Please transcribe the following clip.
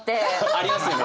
ありますよね。